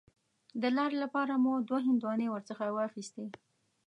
د لارې لپاره مو دوه هندواڼې ورڅخه واخیستې.